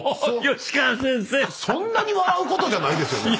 そんなに笑うことじゃないですよね？